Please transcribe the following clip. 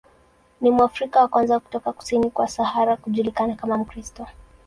Ni Mwafrika wa kwanza kutoka kusini kwa Sahara kujulikana kama Mkristo.